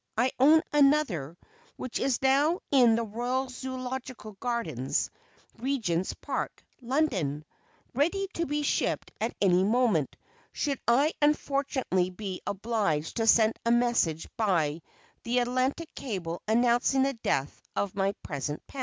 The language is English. I own another, which is now in the Royal Zoölogical Gardens, Regent's Park, London, ready to be shipped at any moment should I unfortunately be obliged to send a message by the Atlantic Cable announcing the death of my present pet.